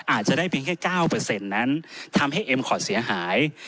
อาจจะได้เพียงแค่เก้าเปอร์เซ็นต์นั้นทำให้เอ็มคอร์ดเสียหาย